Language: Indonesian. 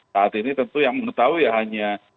saat ini tentu yang mengetahui ya hanya